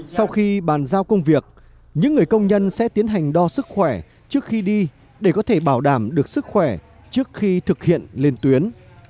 sau khi bàn giao công việc những người công nhân sẽ tiến hành đo sức khỏe trước khi đi để có thể bảo đảm được sức khỏe trước khi thực hiện lên tuyến